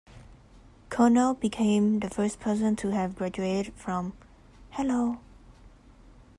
Konno became the first person to have graduated from Hello!